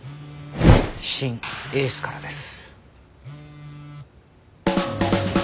シン・エースからです。